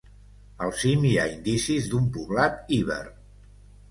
Al cim hi ha indicis d'un poblat iber.